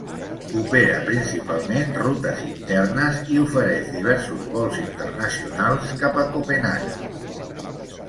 Opera principalment rutes internes i ofereix diversos vols internacionals cap a Copenhaguen.